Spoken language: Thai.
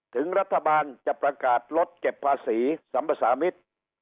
ถึงรัฐบาลจะประกาศลดเก็บภาษีสำประสามิด